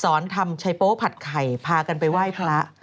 ทำชัยโป๊ผัดไข่พากันไปไหว้พระ